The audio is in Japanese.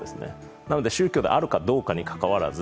なので、宗教であるかどうかにかかわらず